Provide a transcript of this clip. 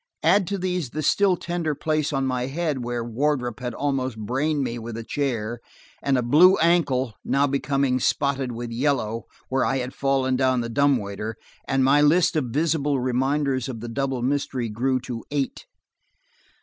Add to these the still tender place on my head where Wardrop had almost brained me with a chair, and a blue ankle, now becoming spotted with yellow, where I had fallen down the dumbwaiter, and my list of visible reminders of the double mystery grew to eight.